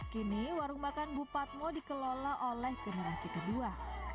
kini warung makan bupatmo dikelola oleh generasi kedua